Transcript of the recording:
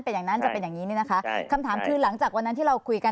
เป็นอย่างนั้นจะเป็นอย่างนี้นี่นะคะคำถามคือหลังจากวันนั้นที่เราคุยกัน